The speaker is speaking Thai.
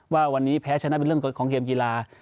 ว่าวันนี้แพ้ชนะเป็นเรื่องของเกมกีฬา